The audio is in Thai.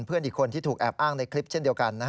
เพื่อนอีกคนที่ถูกแอบอ้างในคลิปเช่นเดียวกัน